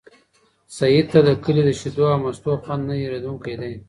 سعید ته د کلي د شیدو او مستو خوند نه هېرېدونکی دی.